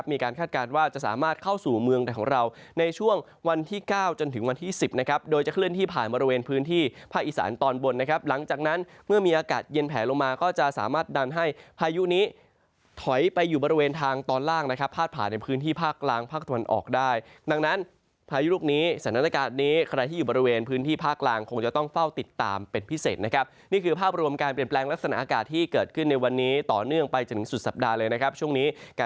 มีการคาดการณ์ว่าจะสามารถเข้าสู่เมืองไทยของเราในช่วงวันที่๙จนถึงวันที่๑๐นะครับโดยจะเคลื่อนที่ผ่านบริเวณพื้นที่ภาคอีสานตอนบนนะครับหลังจากนั้นเมื่อมีอากาศเย็นแผลลงมาก็จะสามารถดันให้พายุนี้ถอยไปอยู่บริเวณทางตอนล่างนะครับพาดผ่านในพื้นที่ภาคลางภาคตะวันออกได้ดังนั้นพายุลูกน